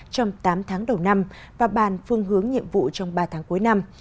trong tám tháng đầu năm và bàn phương hướng nhiệm vụ trong ba tháng cuối năm